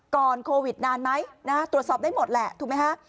ก่อนโควิดนานไหมตรวจสอบได้หมดแหละถูกไหมฮะ